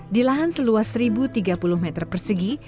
di lahan seluas satu tiga puluh meter persegi